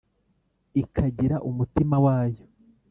ikagira umutima wayo,